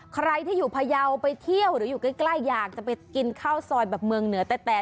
ใครที่อยู่พยาวไปเที่ยวหรืออยู่ใกล้อยากจะไปกินข้าวซอยแบบเมืองเหนือแต่